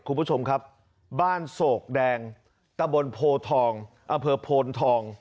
คุณผู้ชมครับบ้านโศกแดงตะบนโพทองอำเภอโพนทอง